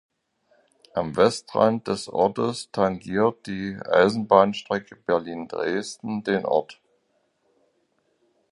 Am Westrand des Ortes tangiert die Eisenbahnstrecke Berlin-Dresden den Ort.